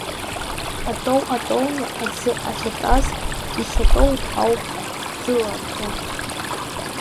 Атоу, атоула аӡы ахьатаз, иахьатоу ауп, ӡыларҭоуп.